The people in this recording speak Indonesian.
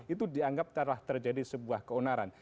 itu dianggap telah terjadi sebuah keonaran